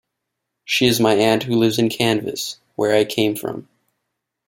She is my aunt who lives in Kansas, where I came from.